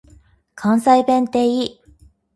関西弁って良い。